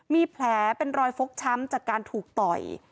มีแผลเป็นรอยฟกช้ำจากการถูกต่อย